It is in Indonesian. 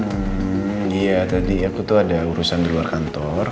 iya tadi aku tuh ada urusan di luar kantor